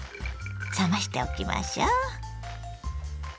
冷ましておきましょう。